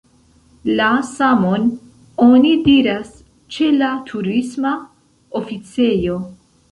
La samon oni diras ĉe la Turisma Oficejo.